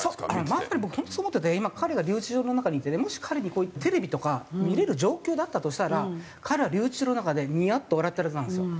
まさに僕本当そう思ってて今彼が留置場の中にいてねもし彼にテレビとか見れる状況だったとしたら彼は留置場の中でニヤッと笑ってるはずなんですよ。